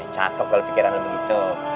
cakep kalo pikiran lo begitu